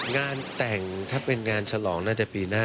งานแต่งถ้าเป็นงานฉลองน่าจะปีหน้า